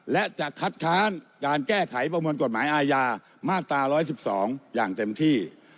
และจะคัดค้านการแก้ไขประมวลกฎหมายอาญามาตรา๑๑๒อย่างเต็มที่